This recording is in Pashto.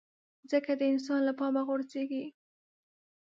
مځکه د انسان له پامه غورځيږي.